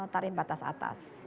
tarif batas atas